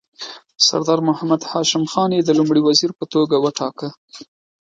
سردار محمد هاشم خان یې د لومړي وزیر په توګه وټاکه.